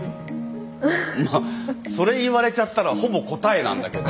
まあそれ言われちゃったらほぼ答えなんだけど。